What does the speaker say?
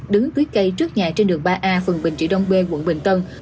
đứng tuyết cây trước nhà trên đường ba a phần bình trị đông bê quận bình tân